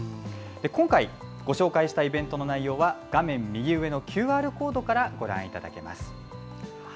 今回ご紹介したイベントの内容は画面右上のＱＲコードからご覧いただけます。